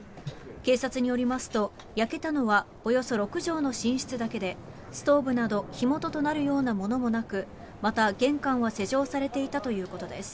警察によりますと、焼けたのはおよそ６畳の寝室だけでストーブなど火元となるようなものもなくまた、玄関は施錠されていたということです。